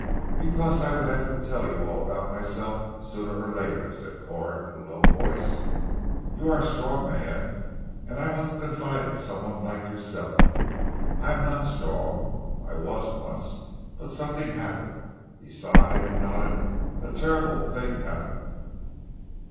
"Because I would have to tell you all about myself sooner or later," said Corn in a low voice. "You are a strong man, and I want to confide in someone like yourself. I am not strong. I was once but something happened," he sighed and nodded, "a terrible thing happened."